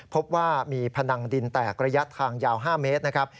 พบว่ามีพนังดินแตกระยะทางยาว๕เมตรนะครับ